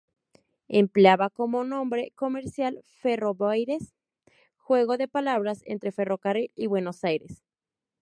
Empleaba como nombre comercial Ferrobaires, juego de palabras entre ferrocarril y Buenos Aires.